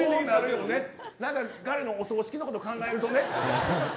彼のお葬式のことを考えるとね。